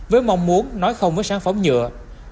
với mong muốn nói không với sản phẩm nhựa